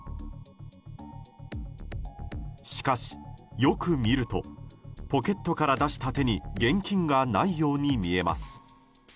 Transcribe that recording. しかしよく見るとポケットから出した手に現金がないように見えます。